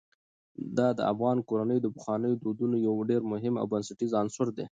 دا د افغان کورنیو د پخوانیو دودونو یو ډېر مهم او بنسټیز عنصر دی.